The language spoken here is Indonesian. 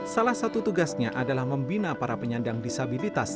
salah satu tugasnya adalah membina para penyandang disabilitas